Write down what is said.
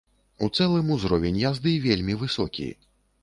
У цэлым узровень язды вельмі высокі.